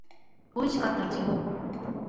おいしかったいちご